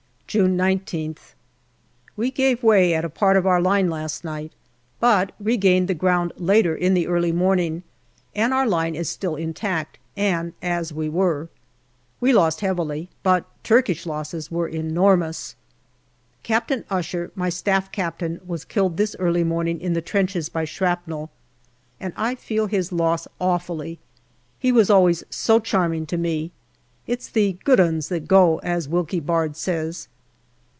June I9th. We gave way at a part of our line last night, but re gained the ground later in the early morning, and our line 136 GALLIPOLI DIARY is still intact, and as we were. We lost heavily, but Turkish losses were enormous. Captain Usher, my Staff Captain, was killed this early morning in the trenches by shrapnel, and I feel his loss awfully. He was always so charming to me. It's the " good uns " that go, as Wilkie Bard says.